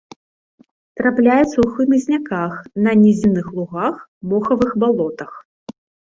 Трапляецца ў хмызняках, на нізінных лугах, мохавых балотах.